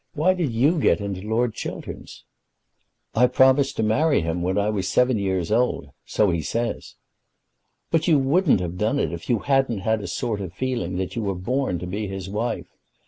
Why did you get into Lord Chiltern's?" "I promised to marry him when I was seven years old; so he says." "But you wouldn't have done it, if you hadn't had a sort of feeling that you were born to be his wife.